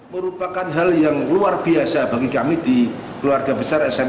merupakan hal yang luar biasa bagi kami di keluarga besar sma